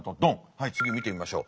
はい次見てみましょう。